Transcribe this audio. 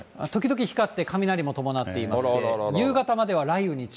時々光って、雷も伴ってまして、夕方までは雷雨に注意。